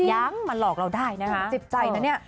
ยังมาหลอกเราได้นะคะเจ็บใจนะเนี่ย